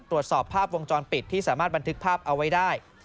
ตรวจสอบภาพวงจรปิดที่สามารถบันทึกภาพเอาไว้ได้